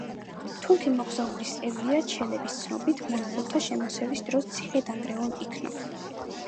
თურქი მოგზაურის ევლია ჩელების ცნობით, მონღოლთა შემოსევის დროს ციხე დანგრეულ იქნა.